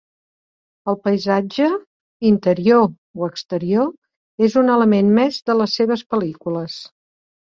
El paisatge, interior o exterior, és un element més de les seves pel·lícules.